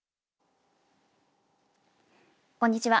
こんにちは。